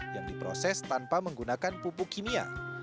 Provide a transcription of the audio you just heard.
yang diproses tanpa menggunakan pupuk kimia